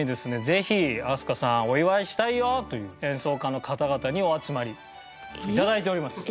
ぜひ飛鳥さんお祝いしたいよという演奏家の方々にお集まり頂いております。